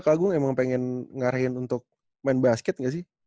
kagung emang pengen ngarahin untuk main basket gak sih